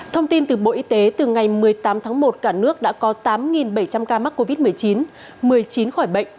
thông tin từ bộ y tế từ ngày một mươi tám tháng một cả nước đã có tám bảy trăm linh ca mắc covid một mươi chín một mươi chín khỏi bệnh